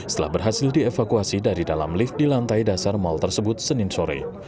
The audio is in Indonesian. setelah berhasil dievakuasi dari dalam lift di lantai dasar mal tersebut senin sore